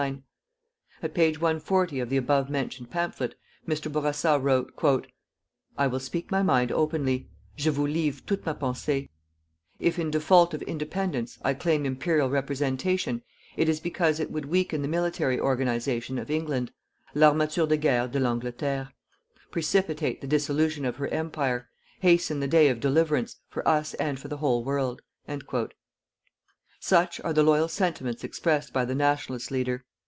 At page 140 of the above mentioned pamphlet, Mr. Bourassa wrote: "I WILL SPEAK MY MIND OPENLY JE VOUS LIVRE TOUTE MA PENSÉE : IF IN DEFAULT OF INDEPENDENCE, I CLAIM IMPERIAL REPRESENTATION, IT IS BECAUSE IT WOULD WEAKEN THE MILITARY ORGANIZATION OF ENGLAND, l'armature de guerre de l'Angleterre PRECIPITATE THE DISSOLUTION OF HER EMPIRE, HASTEN THE DAY OF DELIVERANCE, FOR US AND FOR THE WHOLE WORLD." Such are the loyal sentiments expressed by the "Nationalist" leader.